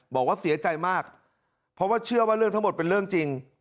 บอกว่าเสียใจมากเพราะว่าเชื่อว่าเรื่องทั้งหมดเป็นเรื่องจริง